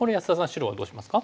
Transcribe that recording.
白はどうしますか？